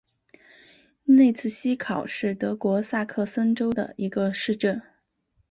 内茨希考是德国萨克森州的一个市镇。